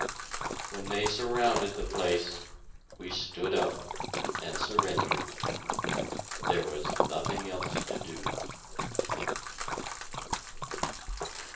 When they surrounded the place, we stood up, and surrendered. There was nothing else to do.